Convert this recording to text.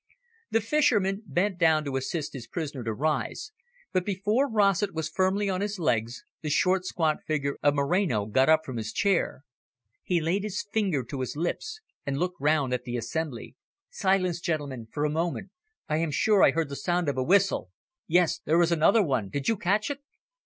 The fisherman bent down to assist his prisoner to rise, but before Rossett was firmly on his legs, the short, squat figure of Moreno got up from his chair. He laid his finger to his lips and looked round at the assembly. "Silence, gentlemen, for a moment! I am sure I heard the sound of a whistle. Yes, there is another one. Did you catch it?"